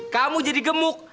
kamu jadi gemuk